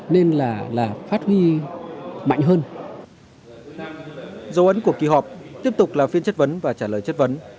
dấu ấn của kỳ họp tiếp tục là phiên chất vấn và trả lời chất vấn